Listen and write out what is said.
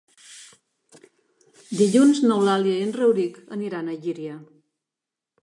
Dilluns n'Eulàlia i en Rauric aniran a Llíria.